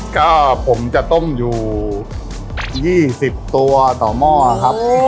ก็ผมจะต้มอยู่๒๐ตัวต่อหม้อครับ